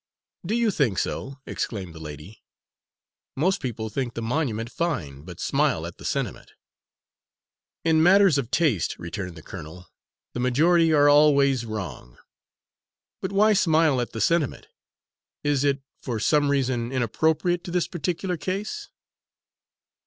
"Do you think so?" exclaimed the lady. "Most people think the monument fine, but smile at the sentiment." "In matters of taste," returned the colonel, "the majority are always wrong. But why smile at the sentiment? Is it, for some reason, inappropriate to this particular case?